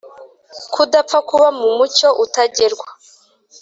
kudapfa k uba mu mucyo utegerwa